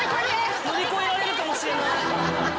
乗り越えられるかもしれない。